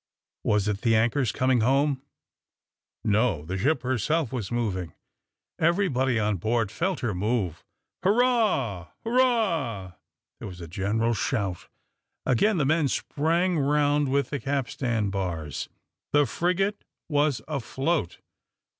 Was it the anchors coming home? No: the ship herself was moving. Everybody on board felt her move. "Hurrah! hurrah!" There was a general shout. Again the men sprang round with the capstan bars; the frigate was afloat.